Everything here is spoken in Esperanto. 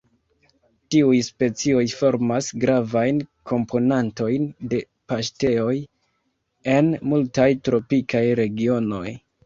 Tiuj specioj formas gravajn komponantojn de paŝtejoj en multaj tropikaj regionoj.